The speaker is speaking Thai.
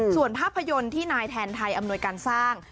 ส่วนภาพยนตร์ที่นายแทนไทยอำนวยการสร้าง